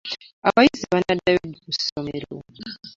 Abayizi banadayo ddi kusomero?